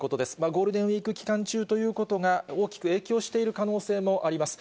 ゴールデンウィーク期間中ということが大きく影響している可能性もあります。